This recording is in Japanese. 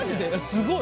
すごい。